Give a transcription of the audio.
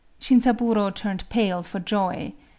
Shinzaburō turned pale for joy.